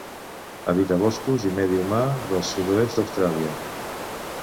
Habita boscos i medi humà del sud-oest d'Austràlia.